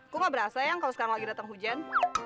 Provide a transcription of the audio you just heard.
kok gak berasa yang kalau sekarang lagi datang hujan